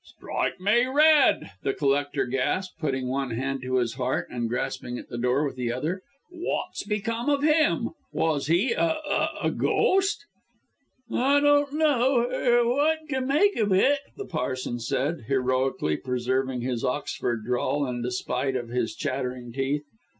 "Strike me red!" the collector gasped, putting one hand to his heart, and grasping the door with the other. "What's become of him? Was he a a gho st?" "I don't er know er what to to make of it," the parson said, heroically preserving his Oxford drawl, in spite of his chattering teeth.